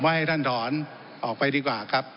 ให้ท่านถอนออกไปดีกว่าครับ